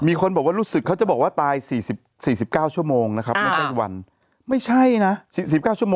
มีคนบอกว่ารู้สึกเขาจะบอกว่าตาย๔๙ชั่วโมงนะครับไม่ใช่วันไม่ใช่นะ